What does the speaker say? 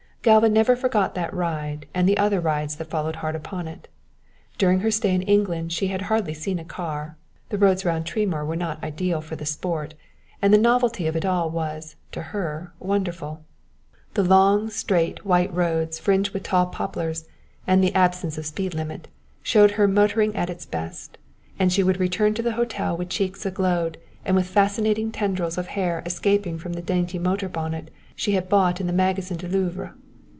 Galva never forgot that ride and the other rides that followed hard upon it. During her stay in England she had hardly seen a car the roads round Tremoor were not ideal for the sport, and the novelty of it all was, to her, wonderful. The long, straight, white roads fringed with tall poplars, and the absence of speed limit, showed her motoring at its best, and she would return to the hotel with cheeks aglow and with fascinating tendrils of hair escaping from the dainty motor bonnet she had bought in the Magasin du Louvre.